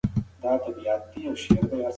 د ده په ستوني کې د خبرو کولو وس نه و پاتې.